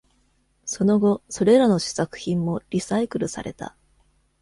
その後、それらの試作品もリサイクルされた。